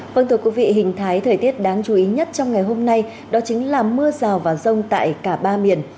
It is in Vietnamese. vâng thưa quý vị hình thái thời tiết đáng chú ý nhất trong ngày hôm nay đó chính là mưa rào và rông tại cả ba miền